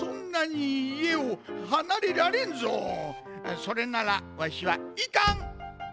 それならわしはいかん！